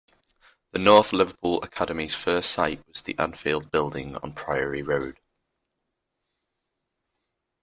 The North Liverpool Academy's first site was the Anfield building on Priory Road.